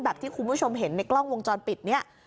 ที่คุณผู้ชมเห็นในกล้องวงจรปิดเนี่ย